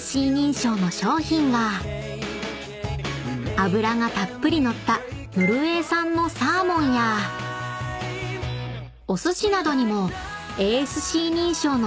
［脂がたっぷり乗ったノルウェー産のサーモンやおすしなどにもＡＳＣ認証の製品を取り入れているんです］